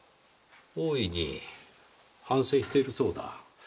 大いに反省しているそうだ。